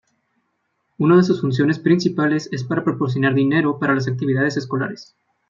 Uno de sus funciones principales es para proporcionar dinero para las actividades escolares.